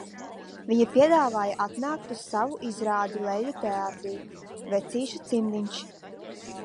Viņa piedāvāja atnākt uz savu izrādi Leļļu teātrī – "Vecīša cimdiņš".